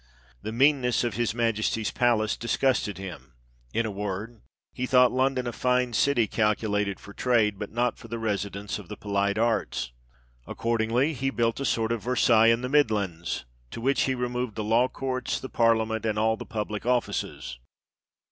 The meanness of his Majesty's palace disgusted him. In a word, he thought London a city finely calculated for trade, but not for the residence of the polite arts." Accordingly, he built a sort of Versailles in the Midlands, to which he removed the law courts, the Parliament, and all the public offices.